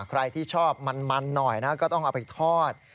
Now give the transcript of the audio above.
ใครที่ชอบมันหน่อยนะก็ต้องเอาไปทอด